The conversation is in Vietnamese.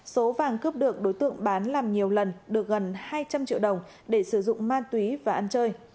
số vàng cướp được đối tượng bán làm nhiều lần được gần hai trăm linh triệu đồng để sử dụng ma túy và ăn chơi